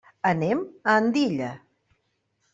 Anem a Andilla.